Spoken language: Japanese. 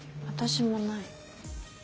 私もない。